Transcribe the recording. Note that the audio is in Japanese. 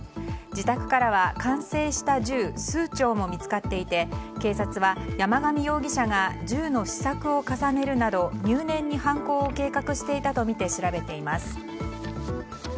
自宅からは完成した銃数丁も見つかっていて警察は山上容疑者が銃の試作を重ねるなど入念に犯行を計画していたとみて調べています。